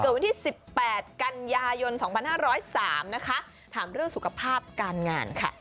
เกิดวินที่สิบแปดกันยายนสองพันห้าร้อยสามนะคะถามเรื่องสุขภาพการงานค่ะ